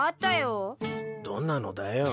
どんなのだよ？